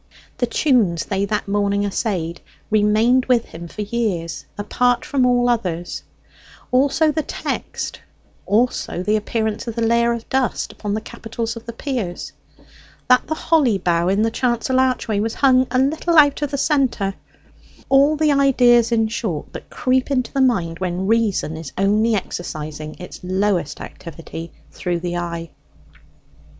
The tunes they that morning essayed remained with him for years, apart from all others; also the text; also the appearance of the layer of dust upon the capitals of the piers; that the holly bough in the chancel archway was hung a little out of the centre all the ideas, in short, that creep into the mind when reason is only exercising its lowest activity through the eye.